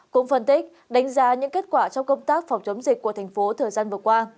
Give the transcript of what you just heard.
cũng phân tích đánh giá những kết quả trong công tác phòng chống dịch của thành phố thời gian vừa qua